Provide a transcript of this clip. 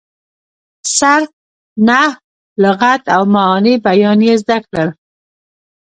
صرف، نحو، لغت او معاني بیان یې زده کړل.